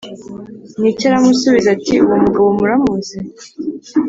n iki Aramusubiza ati Uwo mugabo muramuzi